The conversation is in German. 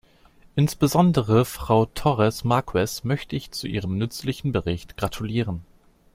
Insbesondere Frau Torres Marques möchte ich zu ihrem nützlichen Bericht gratulieren.